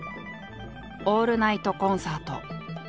オールナイトコンサート。